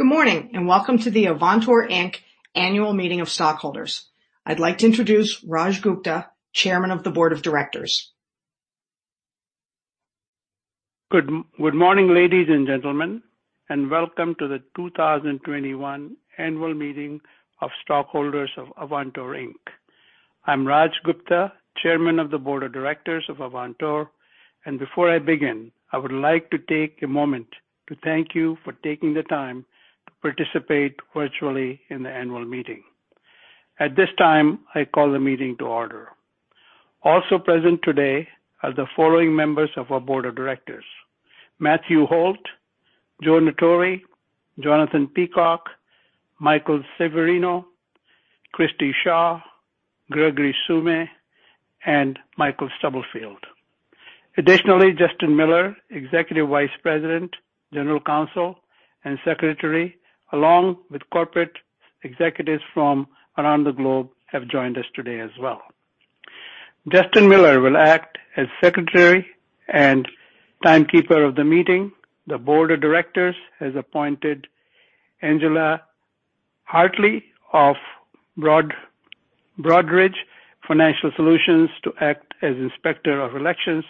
Good morning. Welcome to the Avantor Inc. Annual Meeting of Stockholders. I'd like to introduce Rajiv Gupta, Chairman of the Board of Directors. Good morning, ladies and gentlemen, and welcome to the 2021 Annual Meeting of Stockholders of Avantor, Inc. I'm Rajiv Gupta, Chairman of the Board of Directors of Avantor, and before I begin, I would like to take a moment to thank you for taking the time to participate virtually in the annual meeting. At this time, I call the meeting to order. Also present today are the following members of our Board of Directors: Matthew Holt, Jo Natauri, Jonathan Peacock, Michael Severino, Christi Shaw, Gregory Summe, and Michael Stubblefield. Additionally, Justin Miller, Executive Vice President, General Counsel, and Secretary, along with corporate executives from around the globe, has joined us today as well. Justin Miller will act as secretary and timekeeper of the meeting. The Board of Directors has appointed Angela Hartley of Broadridge Financial Solutions to act as Inspector of Elections.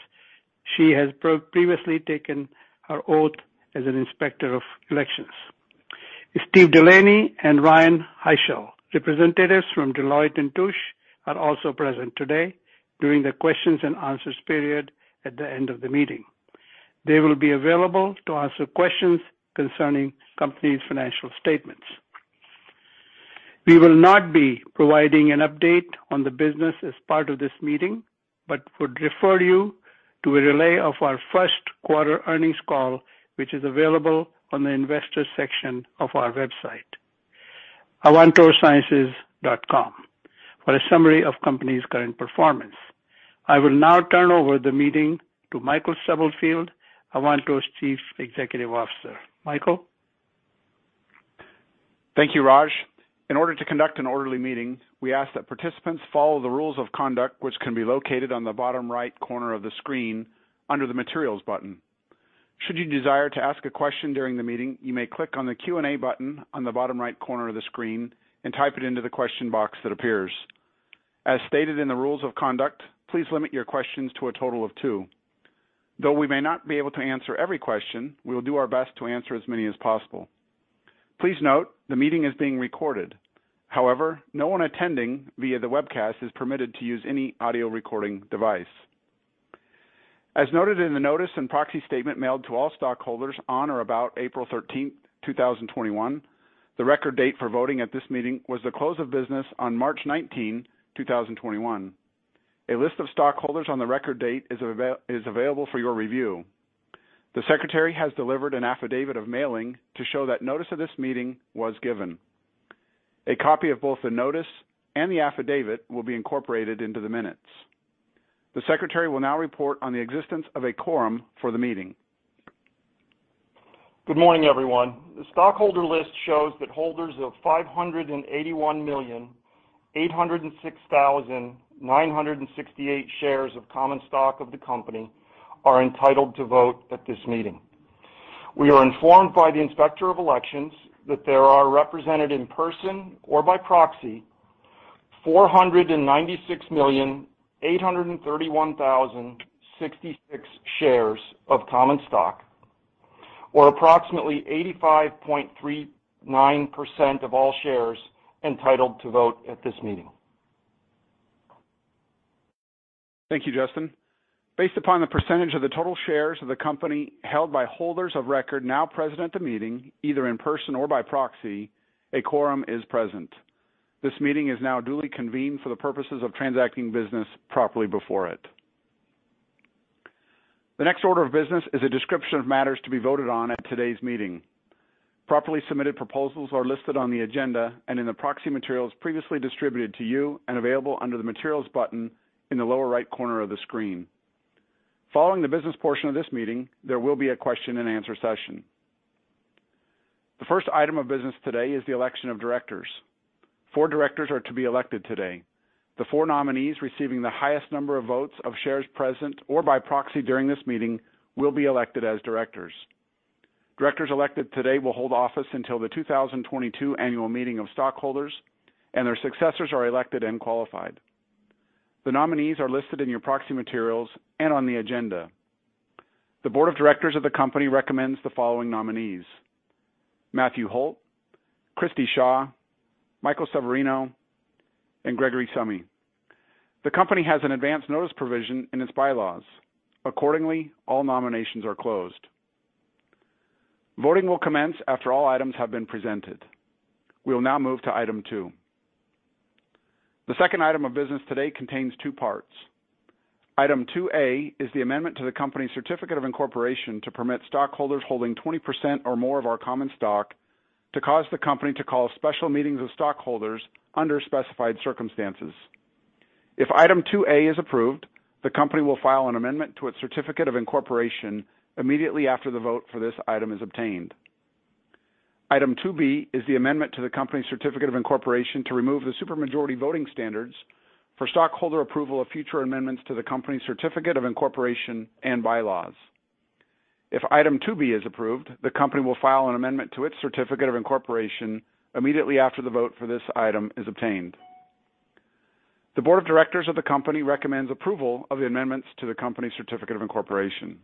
She has previously taken her oath as an Inspector of Elections. Steve Delaney and Ryan Hischel, representatives from Deloitte & Touche, are also present today during the questions-and-answers period at the end of the meeting. They will be available to answer questions concerning the company's financial statements. We will not be providing an update on the business as part of this meeting but would refer you to a replay of our first-quarter earnings call, which is available on the investor section of our website, avantorsciences.com, for a summary of the company's current performance. I will now turn over the meeting to Michael Stubblefield, Avantor's chief executive officer. Michael. Thank you, Rajiv. In order to conduct an orderly meeting, we ask that participants follow the rules of conduct, which can be located on the bottom right corner of the screen under the Materials button. Should you desire to ask a question during the meeting, you may click on the Q&A button on the bottom right corner of the screen and type it into the question box that appears. As stated in the rules of conduct, please limit your questions to a total of two. Though we may not be able to answer every question, we will do our best to answer as many as possible. Please note, the meeting is being recorded. However, no one attending via the webcast is permitted to use any audio recording device. As noted in the notice and proxy statement mailed to all stockholders on or about April 13th, 2021, the record date for voting at this meeting was the close of business on March 19, 2021. A list of stockholders on the record date is available for your review. The secretary has delivered an affidavit of mailing to show that notice of this meeting was given. A copy of both the notice and the affidavit will be incorporated into the minutes. The secretary will now report on the existence of a quorum for the meeting. Good morning, everyone. The stockholder list shows that holders of 581,806,968 shares of common stock of the company are entitled to vote at this meeting. We are informed by the Inspector of Elections that there are represented in person or by proxy 496,831,066 shares of common stock, or approximately 85.39% of all shares entitled to vote at this meeting. Thank you, Justin. Based upon the percentage of the total shares of the company held by holders of record now present at the meeting, either in person or by proxy, a quorum is present. This meeting is now duly convened for the purposes of transacting business properly before it. The next order of business is a description of matters to be voted on at today's meeting. Properly submitted proposals are listed on the agenda and in the proxy materials previously distributed to you and available under the Materials Button in the lower right corner of the screen. Following the business portion of this meeting, there will be a question-and-answer session. The first item of business today is the election of directors. Four directors are to be elected today. The four nominees receiving the highest number of votes of shares present or by proxy during this meeting will be elected as directors. Directors elected today will hold office until the 2022 Annual Meeting of Stockholders, and their successors are elected and qualified. The nominees are listed in your proxy materials and on the agenda. The board of directors of the company recommends the following nominees: Matthew Holt, Christi Shaw, Michael Severino, and Gregory Summe. The company has an advance notice provision in its bylaws. Accordingly, all nominations are closed. Voting will commence after all items have been presented. We will now move to item two. The second item of business today contains two parts. Item 2A is the amendment to the company's certificate of incorporation to permit stockholders holding 20% or more of our common stock to cause the company to call special meetings of stockholders under specified circumstances. If Item 2A is approved, the company will file an amendment to its certificate of incorporation immediately after the vote for this item is obtained. Item 2B is the amendment to the company's certificate of incorporation to remove the supermajority voting standards for stockholder approval of future amendments to the company's certificate of incorporation and bylaws. If Item 2B is approved, the company will file an amendment to its certificate of incorporation immediately after the vote for this item is obtained. The Board of Directors of the company recommends approval of the amendments to the company's certificate of incorporation.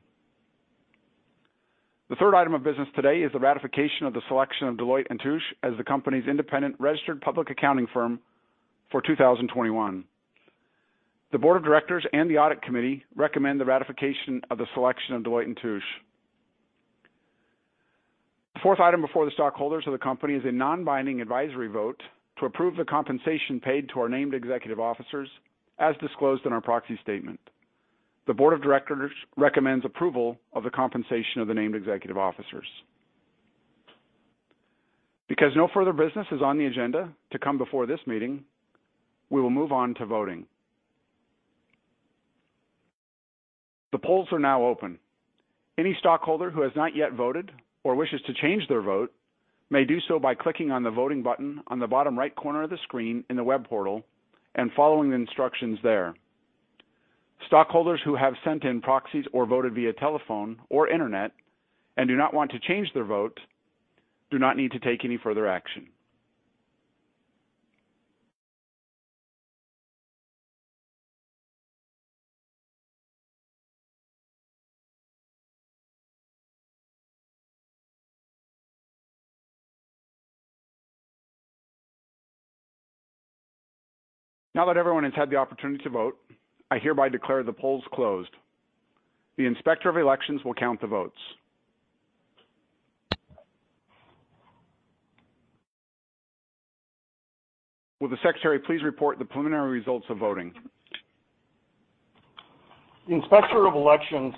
The third item of business today is the ratification of the selection of Deloitte & Touche as the company's independent registered public accounting firm for 2021. The Board of Directors and the Audit Committee recommend the ratification of the selection of Deloitte & Touche. The fourth item before the stockholders of the company is a non-binding advisory vote to approve the compensation paid to our named executive officers, as disclosed in our proxy statement. The board of directors recommends approval of the compensation of the named executive officers. Because no further business is on the agenda to come before this meeting, we will move on to voting. The polls are now open. Any stockholder who has not yet voted or wishes to change their vote may do so by clicking on the voting button on the bottom right corner of the screen in the web portal and following the instructions there. Stockholders who have sent in proxies or voted via telephone or internet and do not want to change their vote do not need to take any further action. Now that everyone has had the opportunity to vote, I hereby declare the polls closed. The Inspector of Elections will count the votes. Will the Secretary please report the preliminary results of voting? The Inspector of Elections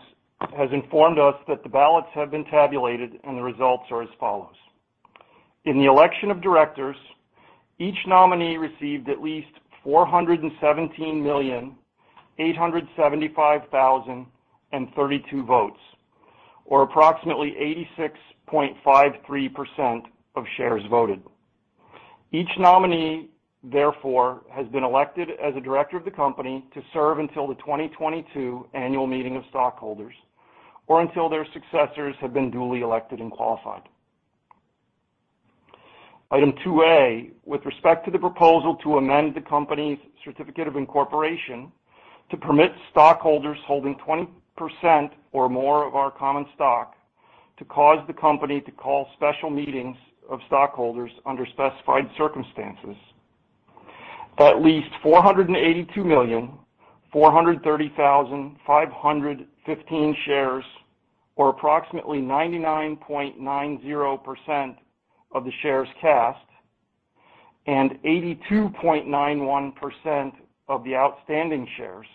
has informed us that the ballots have been tabulated, and the results are as follows. In the election of directors, each nominee received at least 417,875,032 votes, or approximately 86.53% of shares voted. Each nominee, therefore, has been elected as a director of the company to serve until the 2022 annual meeting of stockholders or until their successors have been duly elected and qualified. Item 2A, with respect to the proposal to amend the company's certificate of incorporation to permit stockholders holding 20% or more of our common stock to cause the company to call special meetings of stockholders under specified circumstances. At least 482,430,515 shares, or approximately 99.90% of the shares cast and 82.91% of the outstanding shares,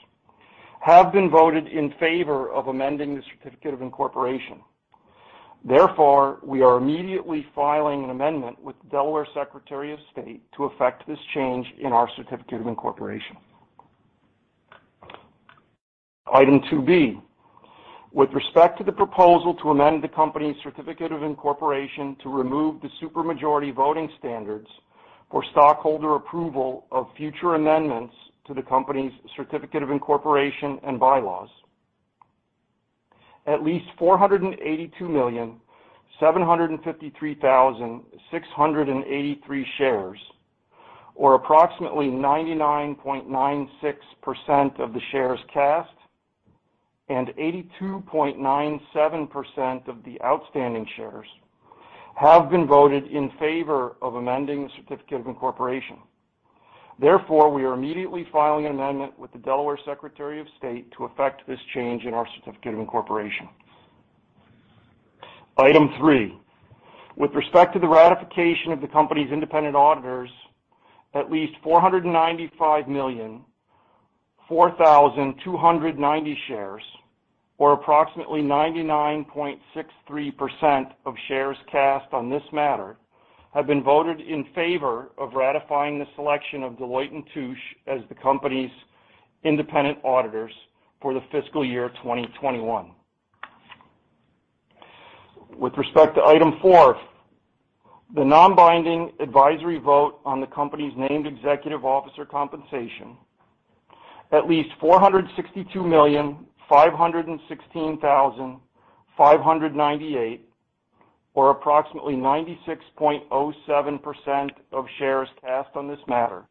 have been voted in favor of amending the certificate of incorporation. Therefore, we are immediately filing an amendment with the Delaware Secretary of State to effect this change in our certificate of incorporation. Item 2B, with respect to the proposal to amend the company's certificate of incorporation to remove the supermajority voting standards for stockholder approval of future amendments to the company's certificate of incorporation and bylaws. At least 482,753,683 shares, or approximately 99.96% of the shares cast and 82.97% of the outstanding shares, have been voted in favor of amending the certificate of incorporation. Therefore, we are immediately filing an amendment with the Delaware Secretary of State to effect this change in our certificate of incorporation. Item three, with respect to the ratification of the company's independent auditors, at least 495,004,290 shares, or approximately 99.63% of shares cast on this matter, have been voted in favor of ratifying the selection of Deloitte & Touche as the company's independent auditors for the fiscal year 2021. With respect to Item four, the non-binding advisory vote on the company's named executive officer compensation, at least 462,516,598, or approximately 96.07% of shares cast on this matter,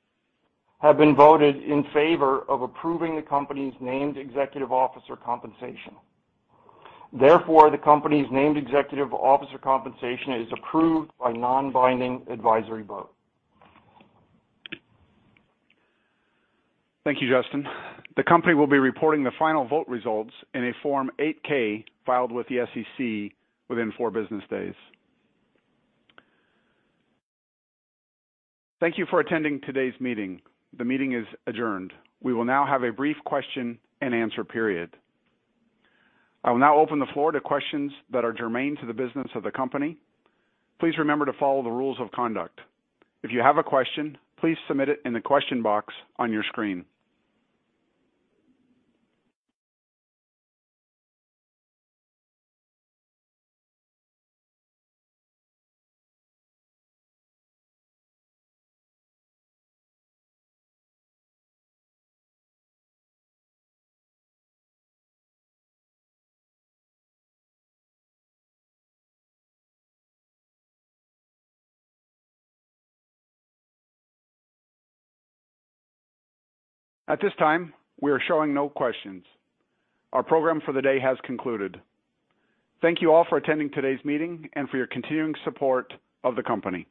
has been voted in favor of approving the company's named executive officer compensation. The company's named executive officer compensation is approved by a non-binding advisory vote. Thank you, Justin. The company will be reporting the final vote results in a Form 8-K filed with the SEC within four business days. Thank you for attending today's meeting. The meeting is adjourned. We will now have a brief question-and-answer period. I will now open the floor to questions that are germane to the business of the company. Please remember to follow the rules of conduct. If you have a question, please submit it in the question box on your screen. At this time, we are showing no questions. Our program for the day has concluded. Thank you all for attending today's meeting and for your continuing support of the company.